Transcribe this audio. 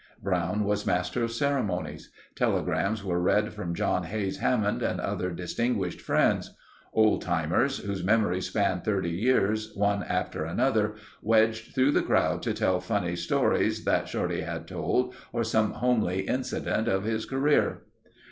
Brown was master of ceremonies. Telegrams were read from John Hays Hammond and other distinguished friends. Old timers, whose memories spanned 30 years, one after another wedged through the crowd to tell a funny story that Shorty had told or some homely incident of his career.